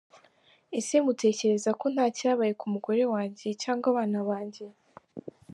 Ese mutekereza ko ntacyabaye ku mugore wanjye cyangwa abana banjye?”.